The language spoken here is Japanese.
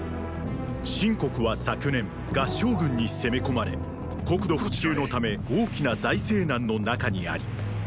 秦国は昨年合従軍に攻め込まれ国土復旧のため大きな財政難の中にありこちらへ。